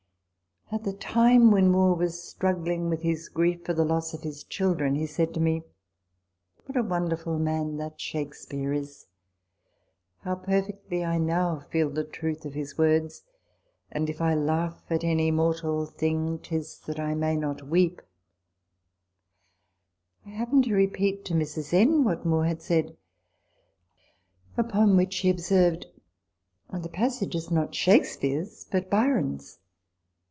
At the time when Moore was struggling with his grief for the loss of his children, he said to me, " What a wonderful man that Shakespeare is ! how perfectly I now feel the truth of his words, " And if I laugh at any mortal thing, Tis that I may not weep !" 224 RECOLLECTIONS OF THE I happened to repeat to Mrs. N. what Moore had said ; upon which she observed, " Why, the passage is not Shakespeare's, but Byron's."